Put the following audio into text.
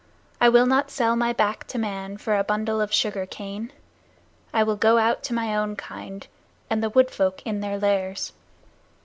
I will not sell my back to man for a bundle of sugar cane: I will go out to my own kind, and the wood folk in their lairs.